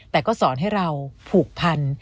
แต่ก็สอนให้เราผูกพัน